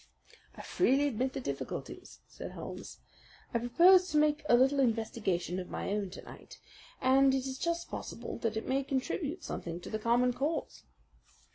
"I freely admit the difficulties," said Holmes. "I propose to make a little investigation of my own to night, and it is just possible that it may contribute something to the common cause."